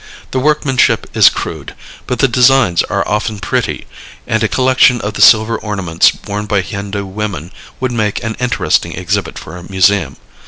The workmanship is rude, but the designs are often pretty, and a collection of the silver ornaments worn by Hindu women would make an interesting exhibit for a museum.